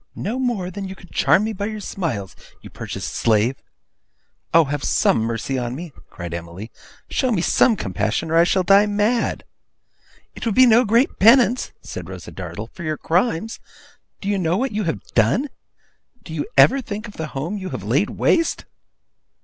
No more than you could charm me by your smiles, you purchased slave.' 'Oh, have some mercy on me!' cried Emily. 'Show me some compassion, or I shall die mad!' 'It would be no great penance,' said Rosa Dartle, 'for your crimes. Do you know what you have done? Do you ever think of the home you have laid waste?